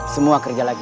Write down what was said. semua kerja lagi